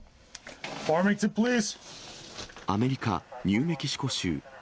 アメリカ・ニューメキシコ州。